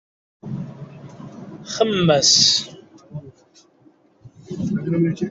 Xemmem-as.